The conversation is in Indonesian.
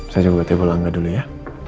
saya coba tipe langga dulu ya